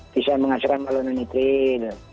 bisa menghasilkan alunonitril